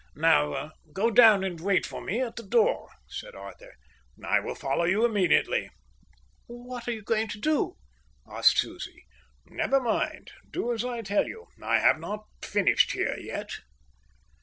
"Now go down and wait for me at the door," said Arthur. "I will follow you immediately." "What are you going to do?" asked Susie. "Never mind. Do as I tell you. I have not finished here yet."